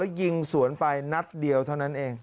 ยิงสวนไปนัดเดียวเท่านั้นเอง